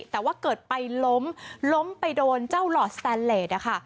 แต่ว่าเกิดไปล้มล้มไปโดนเจ้าหลอดสแตนเลส